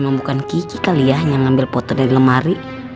emang bukan kiki kali ya yang ngambil foto dari lemari